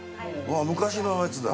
昔のやつだ。